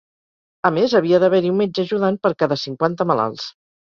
A més, havia d'haver-hi un metge ajudant per cada cinquanta malalts.